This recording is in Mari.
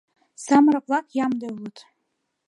Самырык-влак ямде улыт.